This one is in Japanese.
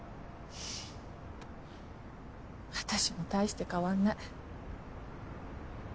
私も大して変わんない。